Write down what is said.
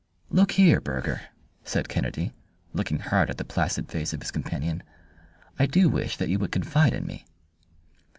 "Look here, Burger," said Kennedy, looking hard at the placid face of his companion, "I do wish that you would confide in me."